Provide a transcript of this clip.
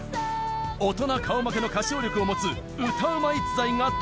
大人顔負けの歌唱力を持つ歌うま逸材が登場！